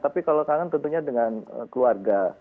tapi kalau kangen tentunya dengan keluarga